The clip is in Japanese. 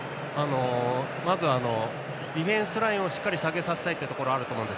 まずはディフェンスラインをしっかり下げさせたいところがあると思います。